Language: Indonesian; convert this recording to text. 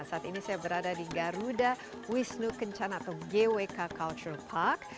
saat ini saya berada di garuda wisnu kencana atau gwk cultural park